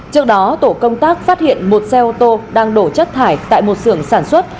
trước đó tổ công tác phát hiện một xe ô tô đang đổ chất thải tại một sưởng sản xuất